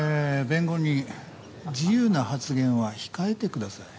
弁護人自由な発言は控えてください。